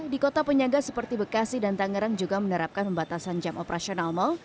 di kota penyangga seperti bekasi dan tangerang juga menerapkan pembatasan jam operasional mal